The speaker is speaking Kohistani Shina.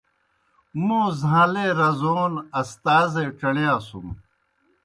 موں زھاݩلے رزون استازے ڇیݨِیاسُن۔